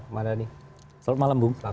selamat malam bu